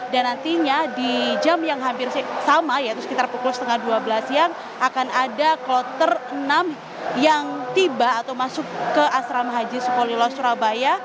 dan nantinya di jam yang hampir sama yaitu sekitar pukul setengah dua belas siang akan ada kloter enam yang tiba atau masuk ke asram haji sukolilo surabaya